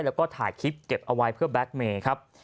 แล้วก็ถ่ายคลิปเก็บเอาไว้เพื่อแบ็คเมย์ครับ